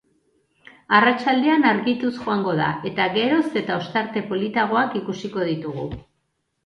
Arratsaldean argituz joango da eta geroz eta ostarte politagoak ikusiko ditugu.